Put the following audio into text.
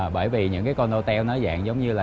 bởi vì những con hotel dạng giống như là